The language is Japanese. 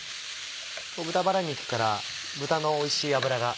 豚バラ肉から豚のおいしい脂が。